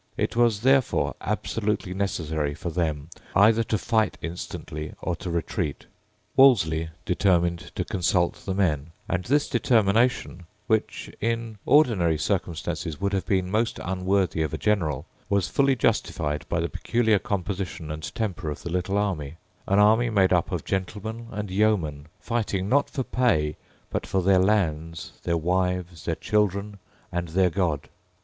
It was therefore absolutely necessary for them either to fight instantly or to retreat. Wolseley determined to consult the men; and this determination, which, in ordinary circumstances, would have been most unworthy of a general, was fully justified by the peculiar composition and temper of the little army, an army made up of gentlemen and yeomen fighting, not for pay, but for their lands, their wives, their children, and their God.